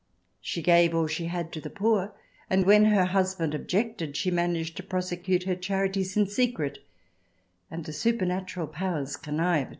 She gave all she had to the poor, and when her husband objected she managed to prose cute her charities in secret, and the supernatural powers connived.